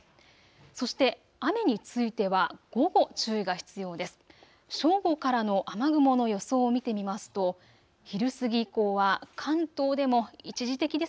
そして雨については午後、注意が必要です。